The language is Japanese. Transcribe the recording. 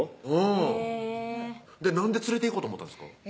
うんなんで連れていこうと思ったんですか？